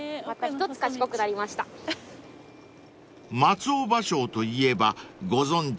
［松尾芭蕉といえばご存じ